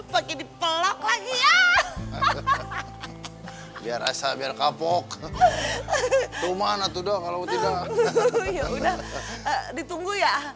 pakai dipeluk lagi ya hahaha biar rasa biar kapok cuma anak udah kalau tidak ditunggu ya